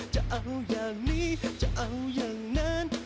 จะเอาอย่างนี้จะเอาอย่างนั้น